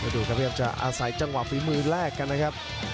ดูครับพยายามจะอาศัยจังหวะฝีมือแลกกันนะครับ